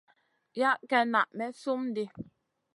Yah ken na may slum di.